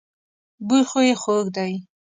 بوی خو يې خوږ دی.